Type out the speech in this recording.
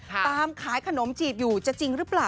ขายขนมจีบอยู่จะจริงหรือเปล่า